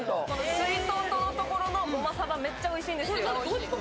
すいとうとのところのごまさば、めっちゃおいしいんですよ。